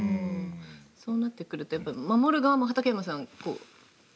そうなってくるとやっぱ守る側も畠山さん守るのも大変ですか？